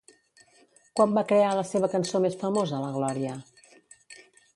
Quan va crear la seva cançó més famosa, la Glòria?